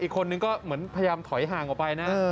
อีกคนนึงก็เหมือนพยายามถอยห่างออกไปนะ